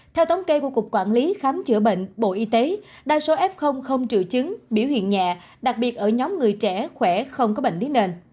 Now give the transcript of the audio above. theo thống kê của cục quản lý khám chữa bệnh bộ y tế đa số f không triệu chứng biểu hiện nhẹ đặc biệt ở nhóm người trẻ khỏe không có bệnh lý nền